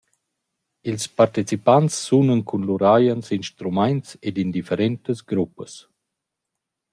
Ils partecipants sunan cun lur agens instrumaints ed in differentas gruppas.